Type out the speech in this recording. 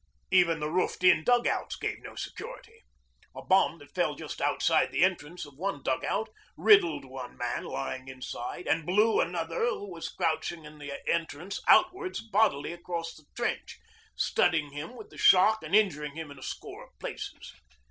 Even the roofed in dug outs gave no security. A bomb that fell just outside the entrance of one dug out, riddled one man lying inside, and blew another who was crouching in the entrance outwards bodily across the trench, stunning him with the shock and injuring him in a score of places.